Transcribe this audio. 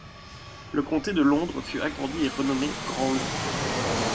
Le comté de Londres fut agrandi et renommé Grand Londres.